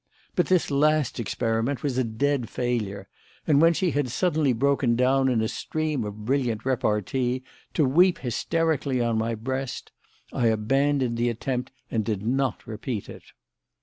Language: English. But this last experiment was a dead failure; and when she had suddenly broken down in a stream of brilliant repartee to weep hysterically on my breast, I abandoned the attempt and did not repeat it.